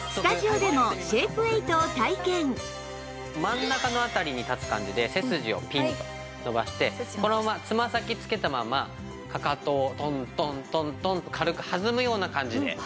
真ん中の辺りに立つ感じで背筋をピンと伸ばしてこのままつま先つけたままかかとをトントントントンと軽く弾むような感じで。